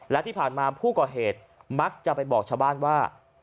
และที่ผ่านมาผู้ก่อเหตุมักจะไปบอกชาวบ้านว่า